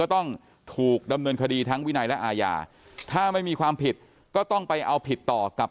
ต้องถูกดำเนินคดีทั้งวินัยและอาญาถ้าไม่มีความผิดก็ต้องไปเอาผิดต่อกับ